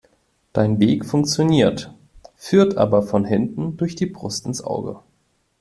Dein Weg funktioniert, führt aber von hinten durch die Brust ins Auge.